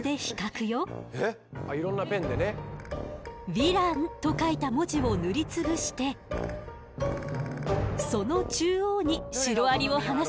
「ヴィラン」と書いた文字を塗りつぶしてその中央にシロアリを放すわ。